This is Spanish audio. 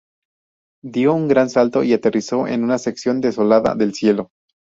Dio un gran salto y aterrizó en una sección desolada del Cielo.